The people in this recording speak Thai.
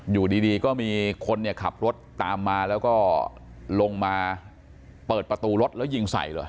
อยู่ดีก็มีคนเนี่ยขับรถตามมาแล้วก็ลงมาเปิดประตูรถแล้วยิงใส่เลย